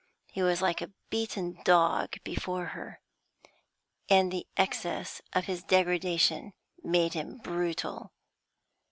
He was like a beaten dog before her; and the excess of his degradation made him brutal.